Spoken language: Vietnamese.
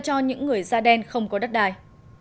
cho những người da đen không có đất đai